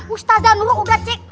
ustaz dan uga cek